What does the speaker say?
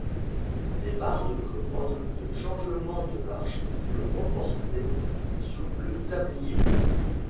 Les barres de commande de changement de marche furent reportées sous le tablier.